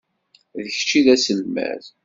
D kečč i d aselmad.